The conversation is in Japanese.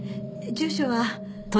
住所は。